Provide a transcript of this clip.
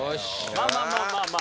まあまあまあまあ。